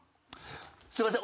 すいません。